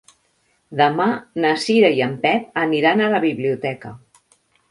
Demà na Cira i en Pep aniran a la biblioteca.